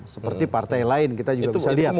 seperti partai lain kita juga bisa lihat